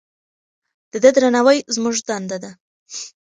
د ده درناوی زموږ دنده ده.